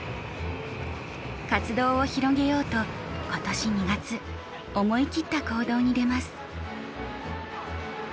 活動を広げようと今年２月思い切った行動に出ます。